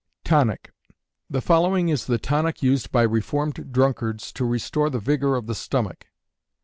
Tonic. The following is the tonic used by reformed drunkards to restore the vigor of the stomach.